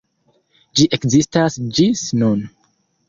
Ĝi ekzistas ĝis nun.